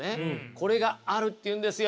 これがあるっていうんですよ。